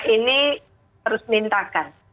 ini harus mintakan